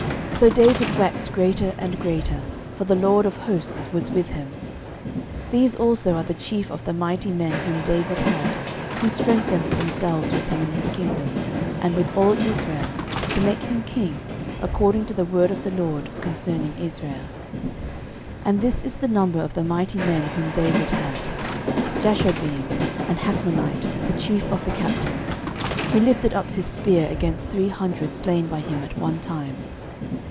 13:011:009 So David waxed greater and greater: for the LORD of hosts was with him. 13:011:010 These also are the chief of the mighty men whom David had, who strengthened themselves with him in his kingdom, and with all Israel, to make him king, according to the word of the LORD concerning Israel. 13:011:011 And this is the number of the mighty men whom David had; Jashobeam, an Hachmonite, the chief of the captains: he lifted up his spear against three hundred slain by him at one time.